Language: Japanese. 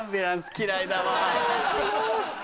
嫌いだわ。